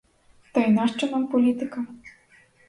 Та й нащо нам політика?